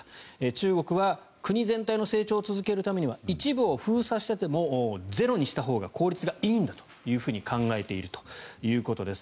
中国は国全体の成長を続けるためには一部を封鎖してでもゼロにしたほうが効率がいいんだと考えているということです。